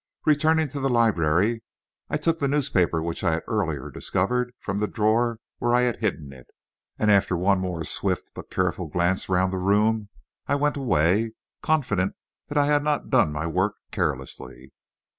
Returning to the library I took the newspaper which I had earlier discovered from the drawer where I had hidden it, and after one more swift but careful glance round the room, I went away, confident that I had not done my work carelessly.